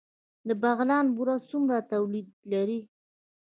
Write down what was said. د بغلان بوره څومره تولید لري؟